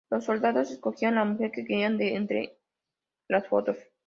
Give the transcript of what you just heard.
Los soldados escogían la mujer que querían de entre las fotos.